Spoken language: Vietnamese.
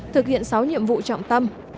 thực hiện sáu nhiệm vụ trọng tâm